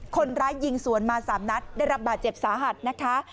คนร้ายยิงสวนมา๓นัดได้รับบาดเจ็บสาหัสนะคะ